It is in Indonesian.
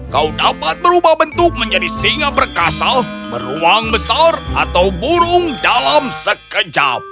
kau dapat berubah bentuk menjadi singa berkasal beruang besar atau burung dalam sekejap